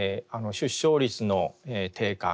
出生率の低下